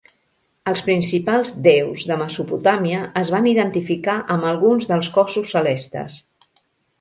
Els principals déus de Mesopotàmia es van identificar amb algun dels cossos celestes.